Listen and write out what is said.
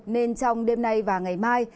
nên trong đêm nay và ngày mai